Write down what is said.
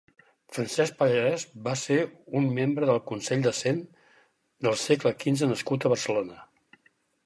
Francesc Pallarès va ser un membre del Consell de Cent del segle quinze nascut a Barcelona.